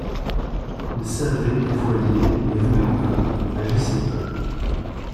Il savait et voyait, mais voulait peu, agissait peu.